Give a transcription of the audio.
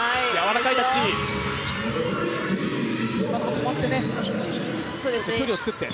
止まって、距離を作って。